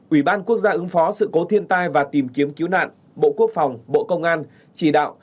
ủy ban quốc gia ứng phó sự cố thiên tai và tìm kiếm cứu nạn bộ quốc phòng bộ công an chỉ đạo